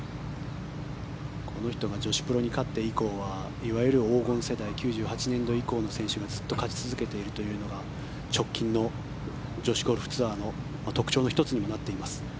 この人が女子プロに勝って以降はいわゆる黄金世代９８年度以降の選手がずっと勝ち続けているというのが直近の女子ゴルフツアーの特徴の１つにもなっています。